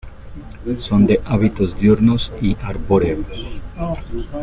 Son de hábitos diurnos y arbóreos.